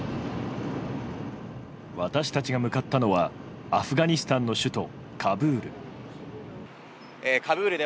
私たちが向かったのはアフガニスタンの首都カブール。